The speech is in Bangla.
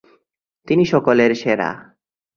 তিনি সকলের সেরা।